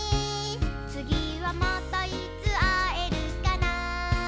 「つぎはまたいつあえるかな」